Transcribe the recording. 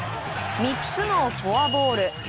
３つのフォアボール。